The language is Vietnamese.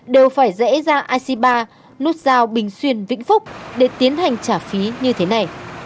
đều phải rẽ ra ic ba nút giao bình xuyên vĩnh phúc để tiến hành trả phí như thế này